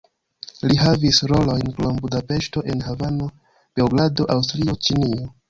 Li havis rolojn krom Budapeŝto en Havano, Beogrado, Aŭstrio, Ĉinio.